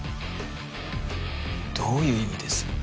どういう意味です？